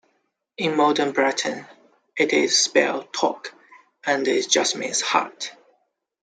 In Modern Breton, it is spelled "tok", and it just means "hat".